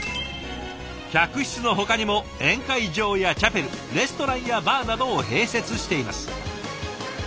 客室のほかにも宴会場やチャペルレストランやバーなどを併設しています。